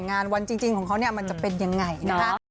ในวันดีของเราอะไรอย่างนี้ค่ะ